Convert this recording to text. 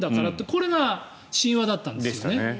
これが神話だったんですよね。